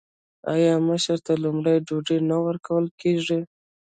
آیا مشر ته لومړی ډوډۍ نه ورکول کیږي؟